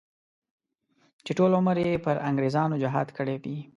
چې ټول عمر یې پر انګریزانو جهاد کړی وي.